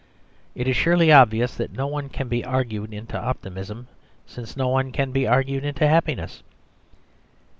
It is surely obvious that no one can be argued into optimism since no one can be argued into happiness.